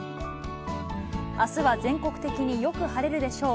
あすは全国的によく晴れるでしょう。